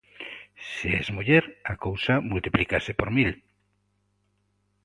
Se es muller, a cousa multiplícase por mil.